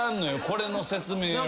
これの説明を。